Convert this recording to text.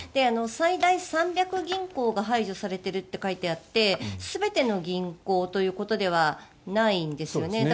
最大３００銀行が排除されていると書いてあって全ての銀行ということではないんですよね。